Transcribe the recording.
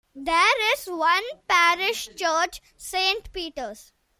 There is one parish church: Saint Peter's.